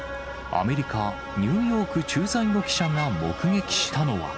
アメリカ・ニューヨーク駐在の記者が目撃したのは。